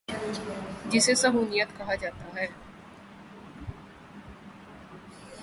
جسے صہیونیت کہا جا تا ہے۔